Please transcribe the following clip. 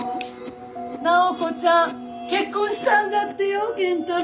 直子ちゃん結婚したんだってよ健太郎。